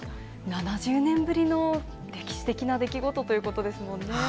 ７０年ぶりの歴史的な出来事ということですもんね。